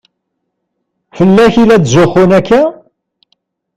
Fell-ak i la tzuxxun akka?